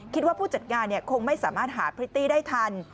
ผู้จัดงานคงไม่สามารถหาพริตตี้ได้ทัน